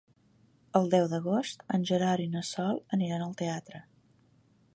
El deu d'agost en Gerard i na Sol aniran al teatre.